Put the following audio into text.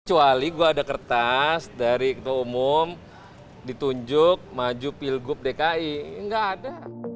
kecuali gue ada kertas dari ketua umum ditunjuk maju pilgub dki nggak ada